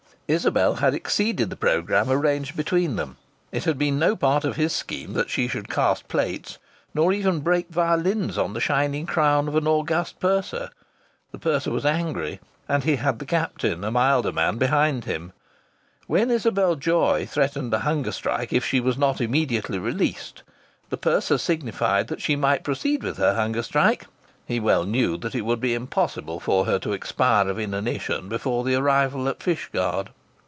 Isabel had exceeded the programme arranged between them. It had been no part of his scheme that she should cast plates, nor even break violins on the shining crown of an august purser. The purser was angry, and he had the captain, a milder man, behind him. When Isabel Joy threatened a hunger strike if she was not immediately released, the purser signified that she might proceed with her hunger strike; he well knew that it would be impossible for her to expire of inanition before the arrival at Fishguard.